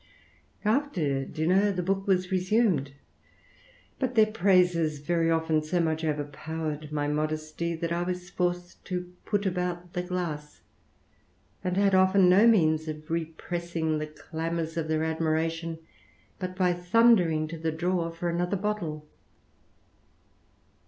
After dinner, the book was resumed but their praises very often so much overpowered lO! modesty, that I was forced to put about the glass, an< had often no means of repressing the clamours of thei admiration, but by thundering to the drawer for anoth^ bottle.